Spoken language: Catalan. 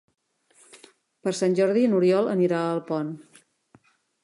Per Sant Jordi n'Oriol anirà a Alpont.